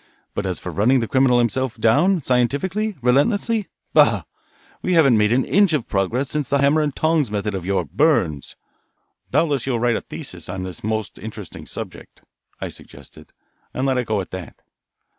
But as for running the criminal himself down, scientifically, relentlessly bah! we haven't made an inch of progress since the hammer and tongs method of your Byrnes." "Doubtless you will write a thesis on this most interesting subject," I suggested, "and let it go at that."